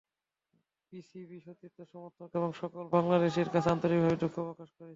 BCB, সতীর্থ, সমর্থক এবং সকল বাংলাদেশির কাছে আন্তরিকভাবে দুঃখ প্রকাশ করছি।